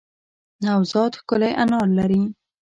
نوزاد ښکلی انار لری